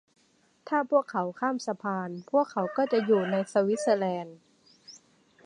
ถ้าพวกเขาข้ามสะพาน พวกเขาก็จะอยู่ในสวิสเซอร์แลนด์